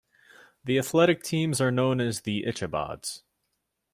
The athletic teams are known as the "Ichabods".